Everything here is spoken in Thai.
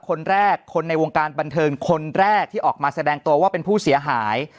คนแรกคนในวงการบันเทิงคนแรกที่ออกมาแสดงตัวว่าเป็นผู้เสียหาย